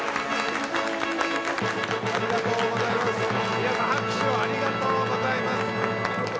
皆さん拍手をありがとうございます。